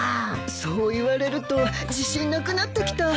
そう言われると自信なくなってきた。